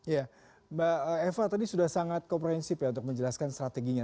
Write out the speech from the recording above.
ya mbak eva tadi sudah sangat komprehensif ya untuk menjelaskan strateginya